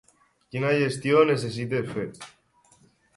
Quina gestió necessites fer?